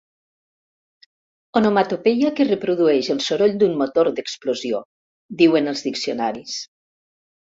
Onomatopeia que reprodueix el soroll d'un motor d'explosió, diuen els diccionaris.